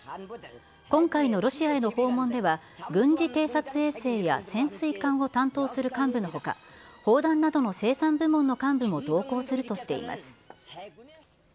今回のロシアへの訪問では、軍事偵察衛星や潜水艦を担当する幹部のほか、砲弾などの生産部門の幹部も同行するとしています。